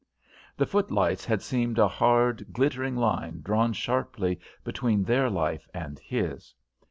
The footlights had seemed a hard, glittering line drawn sharply between their life and his.